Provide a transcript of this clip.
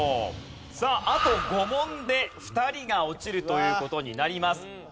さああと５問で２人が落ちるという事になります。